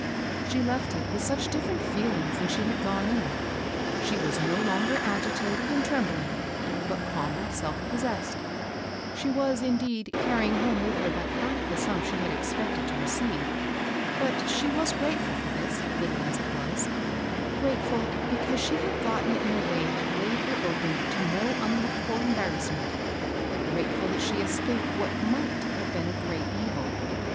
She left it with such different feelings than she had gone in I She was no longer agitated and trembling, but calmly 8e\f po«>^es&^. ^\kfc^^^\u THB PAWNBROKER. 233 deed, carrying home with her but half the sum she had expected to receive ; but she was grateftd for this, little as it was, — gratefid, because she had gotten it in a way that laid her open to no un looked for embarrassment, — grateful that she es caped what might have been a great evil.